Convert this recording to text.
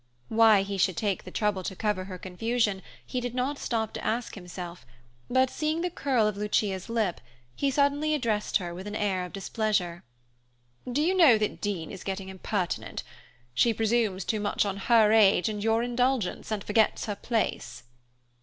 Why he should take the trouble to cover her confusion, he did not stop to ask himself, but seeing the curl of Lucia's lip, he suddenly addressed her with an air of displeasure, "Do you know that Dean is getting impertinent? She presumes too much on her age and your indulgence, and forgets her place."